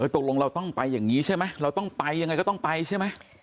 ตกลงเราต้องไปอย่างนี้ใช่ไหมเราต้องไปยังไงก็ต้องไปใช่ไหม